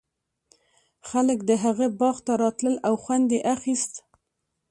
خلک د هغه باغ ته راتلل او خوند یې اخیست.